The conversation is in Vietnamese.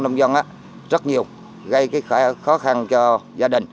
trong đó rất nhiều gây cái khó khăn cho gia đình